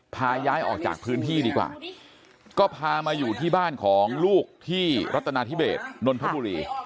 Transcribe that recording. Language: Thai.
พาย้ายออกจากพื้นที่ดีกว่าก็พามาอยู่ที่บ้านของลูกที่รัฐนาธิเบสนนทบุรี